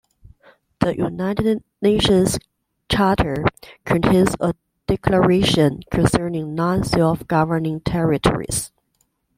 The United Nations Charter contains a Declaration Concerning Non-Self-Governing Territories.